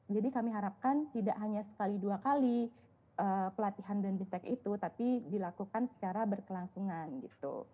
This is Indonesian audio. kami harapkan tidak hanya sekali dua kali pelatihan dan fintech itu tapi dilakukan secara berkelangsungan gitu